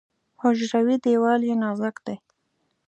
حجروي دیوال یې نازک دی.